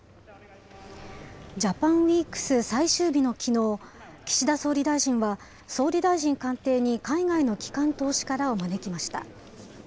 ＪａｐａｎＷｅｅｋｓ最終日のきのう、岸田総理大臣は総理大臣官邸に海外の機関投資家らを招きました。